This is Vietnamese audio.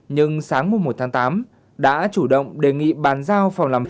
nhưng sáng mùng một tháng tám đã chủ động đề nghị bàn giao phòng làm